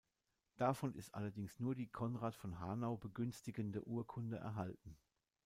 Davon ist allerdings nur die Konrad von Hanau begünstigende Urkunde erhalten.